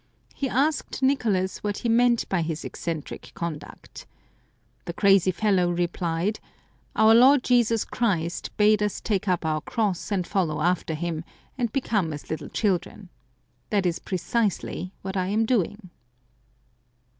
He asked Nicolas what he meant by his eccentric conduct. The crazy fellow replied, " Our Lord Jesus Christ bade us take up our cross and follow after Him, and become as little children. That is precisely what I am doing."